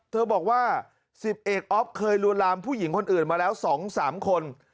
เธอบอกว่า๑๐เอกอ๊อฟเคยลวนลามผู้หญิงคนอื่นมาแล้ว๒๓คน